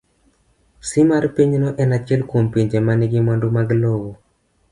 C. mar Pinyno en achiel kuom pinje ma nigi mwandu mag lowo